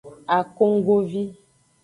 Akonggovi.